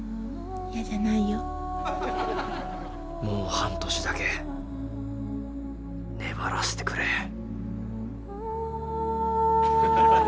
もう半年だけ粘らせてくれ。